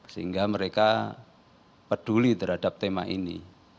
sehingga mereka peduli terhadap tema ini